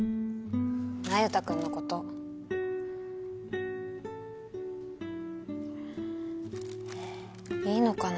那由他君のこといいのかな